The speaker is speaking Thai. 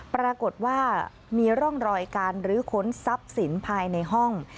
ปรากฏว่ามีร่องรอยการรื้อค้นทรัพย์สินภายในห้อง